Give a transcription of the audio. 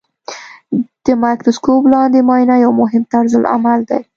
د مایکروسکوپ لاندې معاینه یو مهم طرزالعمل دی.